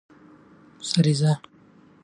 سريزه